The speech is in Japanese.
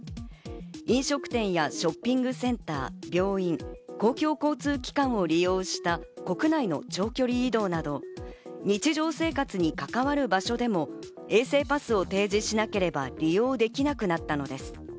飲食店やショッピングセンター、病院、公共交通機関を利用した国内の長距離移動など、日常生活に関わる場所でも衛生パスを提示しなければ利用できなくなったのです。